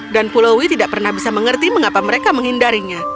dan pulowi tidak pernah bisa mengerti mengapa mereka menghindarinya